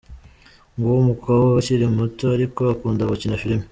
Nguwo umukobwa ukiri muto ariko ukunda gukina filimi.